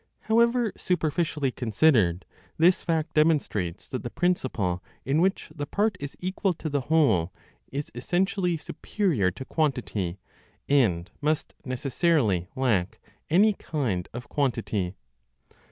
However superficially considered, this fact demonstrates that the principle in which the part is equal to the whole is essentially superior to quantity, and must necessarily lack any kind of quantity.